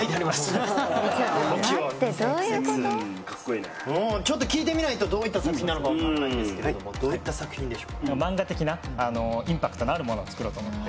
うんかっこいいねちょっと聞いてみないとどういった作品なのか分かんないんですけれどもどういった作品でしょうか？を作ろうと思って